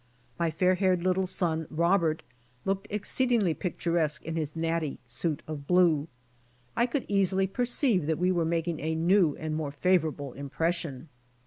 My fair haired little son, Robert, looked exceedingly picturesque in his natty suit of blue. I could easily perceive that we were making a new and more favor able impression.